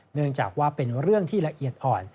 เนื่องจากว่าเป็นเรื่องที่ละเอียดอ่อน